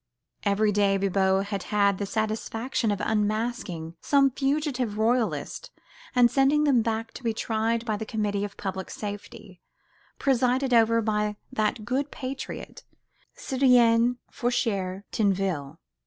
Every day Bibot had had the satisfaction of unmasking some fugitive royalists and sending them back to be tried by the Committee of Public Safety, presided over by that good patriot, Citoyen Foucquier Tinville.